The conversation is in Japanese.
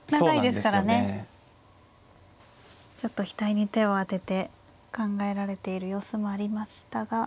ちょっと額に手を当てて考えられている様子もありましたが。